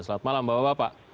selamat malam bapak bapak